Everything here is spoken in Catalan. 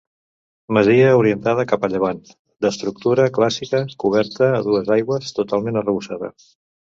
Masia orientada cap a llevant d'estructura clàssica coberta a dues aigües, totalment arrebossada.